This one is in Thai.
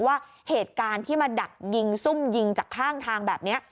ว่าเหตุการณ์ที่มาดักยิงซุ่มยิงจากข้างทางแบบนี้